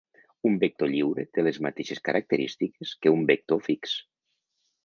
Un vector lliure té les mateixes característiques que un vector fix.